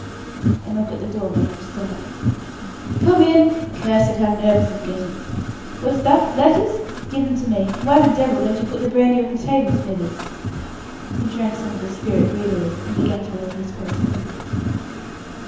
A knock at the door made him start. "Come in! Curse it, how nervous I'm getting. What's that? Letters? Give them to me; and why the devil don't you put the brandy on the table, Smithers?" He drank some of the spirit greedily, and then began to open his correspondence.